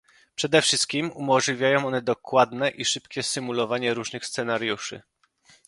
Przede wszystkim, umożliwiają one dokładne i szybkie symulowanie różnych scenariuszy.